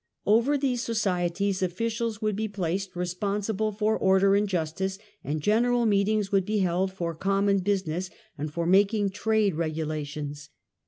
Over these societies officials would be placed, responsible for order and justice, and general meetings would be held for common busi ness and for making trade regulations.